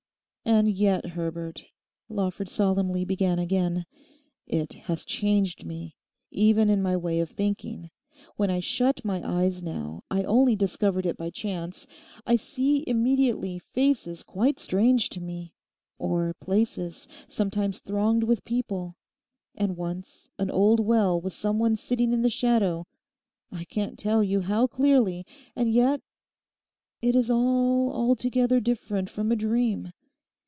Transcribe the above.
'And yet, Herbert,' Lawford solemnly began again, 'it has changed me; even in my way of thinking. When I shut my eyes now—I only discovered it by chance—I see immediately faces quite strange to me; or places, sometimes thronged with people; and once an old well with some one sitting in the shadow. I can't tell you how clearly, and yet it is all altogether different from a dream.